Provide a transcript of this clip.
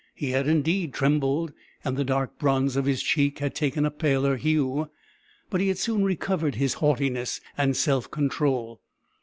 he had indeed trembled, and the dark bronze of his cheek had taken a paler hue. But he had soon recovered his haughtiness and self control.